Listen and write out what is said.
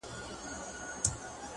هڅاند انسان پلمه نه لټوي